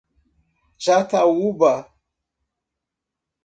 Jataúba